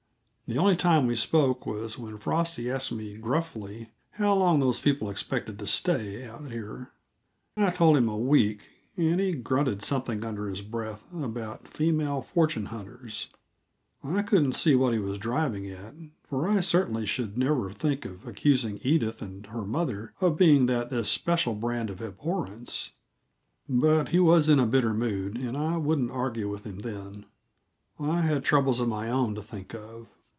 The only time we spoke was when Frosty asked me gruffly how long those people expected to stay out here. I told him a week, and he grunted something under his breath about female fortune hunters. I couldn't see what he was driving at, for I certainly should never think of accusing Edith and her mother of being that especial brand of abhorrence, but he was in a bitter mood, and I wouldn't argue with him then I had troubles of my own to think of.